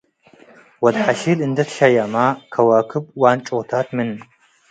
ወድ ሐሺል እንዶ ትሸየመ - ከእብ ዋንጫታት ምን